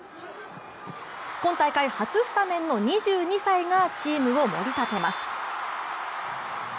今大会初スタメンの２２歳がチームをもり立てます。